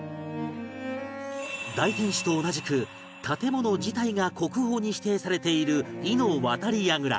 大天守と同じく建物自体が国宝に指定されているイの渡櫓